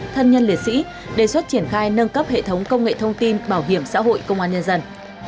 thân nhân liệt sĩ đề xuất triển khai nâng cấp hệ thống công nghệ thông tin bảo hiểm xã hội công an nhân dân